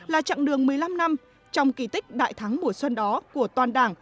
là chặng đường một mươi năm năm trong kỳ tích đại thắng mùa xuân đó của toàn đảng